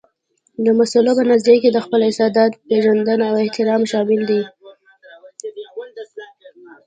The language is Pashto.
د مسلو په نظريه کې د خپل استعداد پېژندنه او احترام شامل دي.